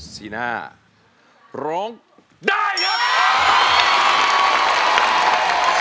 สีหน้าร้องได้หรือว่าร้องผิดครับ